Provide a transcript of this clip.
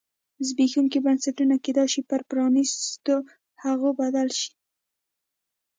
زبېښونکي بنسټونه کېدای شي پر پرانیستو هغو بدل شي.